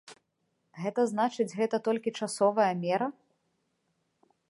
Гэта значыць, гэта толькі часавая мера?